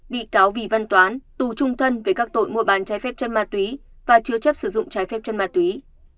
bị cáo vì văn toán tù trung thân về các tội mua bán trái phép chân ma túy và chứa chấp sử dụng trái phép chân ma túy